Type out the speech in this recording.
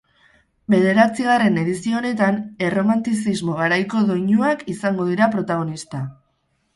Bederatzigarren edizio honetan erromantzismo garaiko doinuak izango dira protagonista.